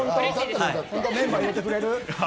メンバーに入れてくれる？